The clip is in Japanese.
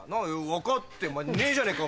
分かってねえじゃねぇか！